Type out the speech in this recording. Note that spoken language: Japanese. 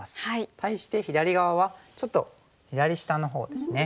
対して左側はちょっと左下のほうですね。